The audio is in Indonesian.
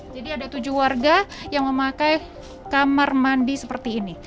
jadi ada tujuh warga yang memakai kamar mandi seperti ini